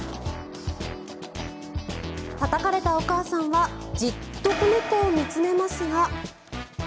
たたかれたお母さんはじっと子猫を見つめますが。